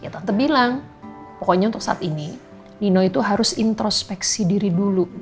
atau bilang pokoknya untuk saat ini nino itu harus introspeksi diri dulu